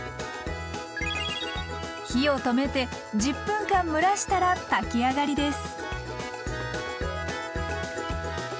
火を止めて１０分間蒸らしたら炊きあがりです。